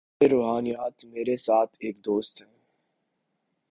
ماہر روحانیات: میرے ساتھ ایک دوست ہیں۔